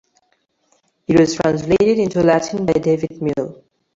It was translated into Latin by David Mill.